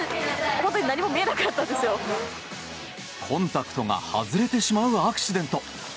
コンタクトが外れてしまうアクシデント。